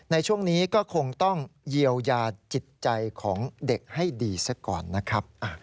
ในช่วงนี้ก็คงต้องเยียวยาจิตใจของเด็กให้ดีซะก่อนนะครับ